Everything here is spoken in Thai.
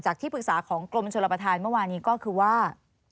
ที่ปรึกษาของกรมชนประธานเมื่อวานนี้ก็คือว่า